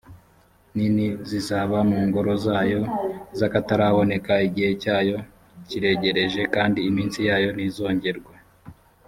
nini zizaba mu ngoro zayo z akataraboneka igihe cyayo kiregereje kandi iminsi yayo ntizongerwa